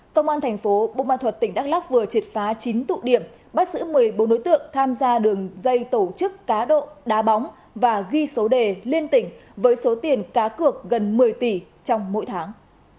công an thành phố bô ma thuật tỉnh đắk lóc vừa triệt phá chín tụ điểm bắt giữ một mươi bốn đối tượng tham gia đường dây tổ chức cá độ đá bóng và ghi số đề liên tỉnh với số tiền cá cược gần một mươi tỷ trong mỗi tháng